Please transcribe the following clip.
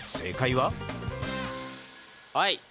はい。